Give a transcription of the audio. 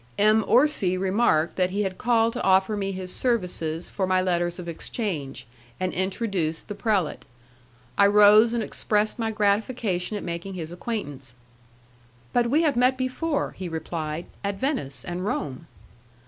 M. Orsi remarked that he had called to offer me his services for my letters of exchange, and introduced the prelate. I rose and expressed my gratification at making his acquaintance. "But we have met before," he replied, "at Venice and Rome."